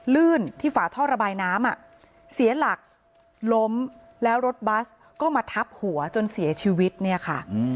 ลื่นที่ฝาท่อระบายน้ำอ่ะเสียหลักล้มแล้วรถบัสก็มาทับหัวจนเสียชีวิตเนี่ยค่ะ